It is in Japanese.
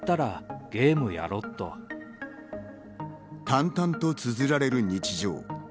淡々と綴られる日常。